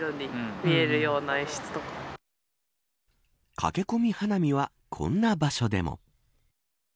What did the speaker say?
駆け込み花見はこんな場所でも。